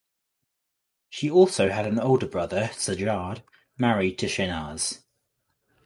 She also had an older brother Sajjad married to Shehnaz.